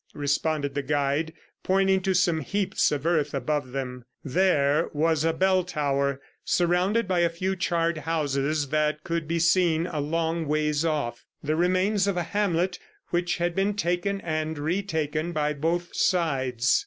responded the guide pointing to some heaps of earth above them. "There" was a bell tower surrounded by a few charred houses that could be seen a long ways off the remains of a hamlet which had been taken and retaken by both sides.